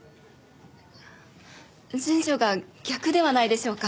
順序が逆ではないでしょうか。